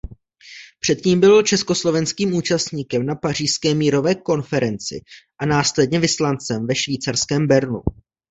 Předtím byl československým účastníkem na pařížské mírové konferenci a následně vyslancem ve švýcarském Bernu.